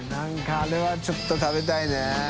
あれはちょっと食べたいね。